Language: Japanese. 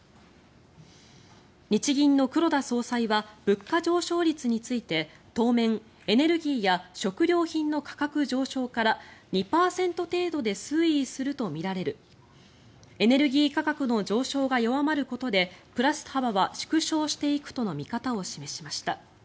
日銀の黒田総裁は物価上昇率について当面、エネルギーや食料品の価格上昇から２％程度で推移するとみられるエネルギー価格の上昇が弱まることでプラス幅は縮小していくとの見方を示しました。